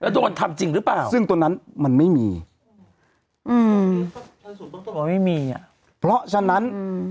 แล้วโดนทำจริงหรือเปล่าซึ่งตัวนั้นมันไม่มีอืมไม่มีเพราะฉะนั้น